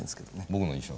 僕の印象。